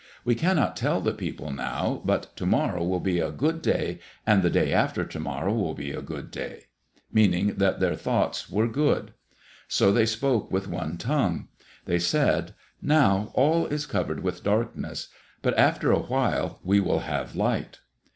We cannot tell the people now, but to morrow will be a good day and the day after to morrow will be a good day," meaning that their thoughts were good. So they spoke with one tongue. They said, "Now all is covered with darkness, but after a while we will have light."